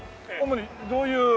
主にどういう？